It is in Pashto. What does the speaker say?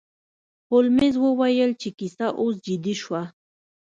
هولمز وویل چې کیسه اوس جدي شوه.